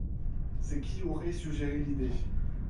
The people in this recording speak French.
C'est qui aurait suggéré l'idée.